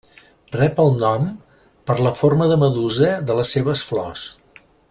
Rep el nom per la forma de medusa de les seves flors.